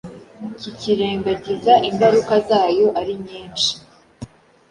kikirengagiza ingaruka zayo ari nyinshi.